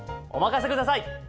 お任せください！